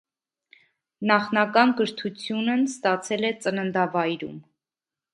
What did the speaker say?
Նախնական կրթությունն ստացել Է ծննդավայրում։